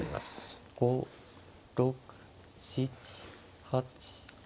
５６７８。